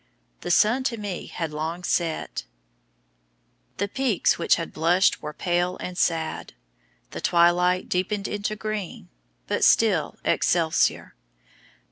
The sun to me had long set; the peaks which had blushed were pale and sad; the twilight deepened into green; but still "Excelsior!"